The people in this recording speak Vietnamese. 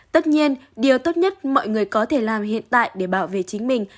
tất nhiên điều tốt nhất mọi người có thể làm hiện tại để bảo vệ chính mình